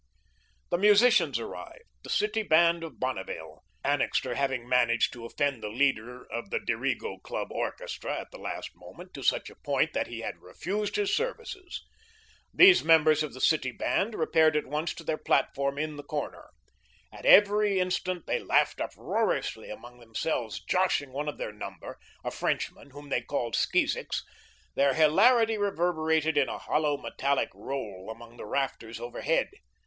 The musicians arrived, the City Band of Bonneville Annixter having managed to offend the leader of the "Dirigo" Club orchestra, at the very last moment, to such a point that he had refused his services. These members of the City Band repaired at once to their platform in the corner. At every instant they laughed uproariously among themselves, joshing one of their number, a Frenchman, whom they called "Skeezicks." Their hilarity reverberated in a hollow, metallic roll among the rafters overhead.